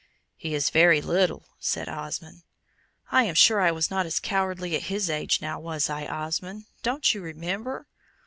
"He is very little," said Osmond. "I am sure I was not as cowardly at his age, now was I, Osmond? Don't you remember?"